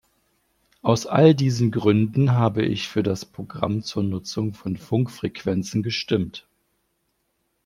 Aus all diesen Gründen habe ich für das Programm zur Nutzung von Funkfrequenzen gestimmt.